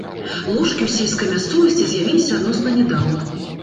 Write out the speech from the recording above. Ложкі ў сельскай мясцовасці з'явіліся адносна нядаўна.